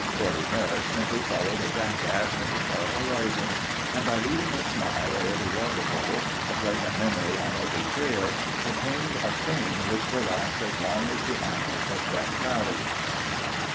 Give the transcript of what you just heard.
Shorty Harris simply followed a jackass into far horizons, and by leaving a smile at every water hole, a pleasant memory on every trail, attained a fame which will last as long as the annals of Death Valley.